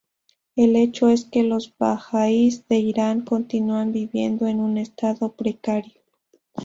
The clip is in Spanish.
El hecho es que los bahá’ís de Irán continúan viviendo en un estado precario.